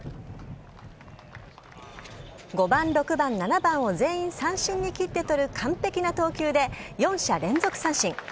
５番、６番、７番を全員三振に切って取る完璧な投球で、４者連続三振。